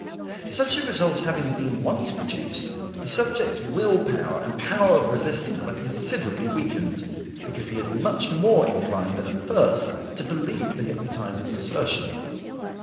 Such a result having been once produced, the subject's will power and power of resistance are considerably weakened, because he is much more inclined than at first to believe the hypnotizer's assertion.